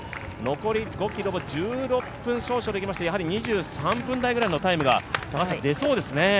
残り５ｋｍを１６分少々でいきますと２３分台ぐらいのタイムが出そうですね。